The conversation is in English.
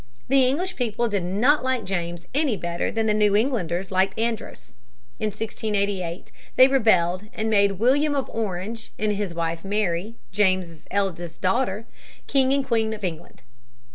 The English people did not like James any better than the New Englanders liked Andros. In 1688 they rebelled and made William of Orange and his wife Mary, James's eldest daughter, King and Queen of England.